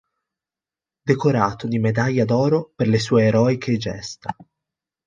Decorato di Medaglia d'Oro per le sue eroiche gesta.